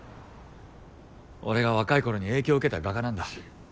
俺が若い頃に影響受けた画家なんだ。